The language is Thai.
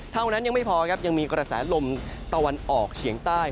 เท่านั้นยังไม่พอครับยังมีกระแสลมตะวันออกเฉียงใต้